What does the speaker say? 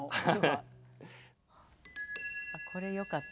これよかった。